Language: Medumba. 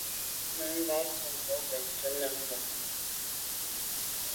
Nummb’a ta tsemo’ benntùn nebame.